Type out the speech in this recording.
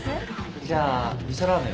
じゃあ味噌ラーメンを。